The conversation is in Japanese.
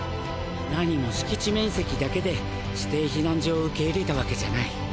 何も敷地面積だけで指定避難所を受け入れたわけじゃない。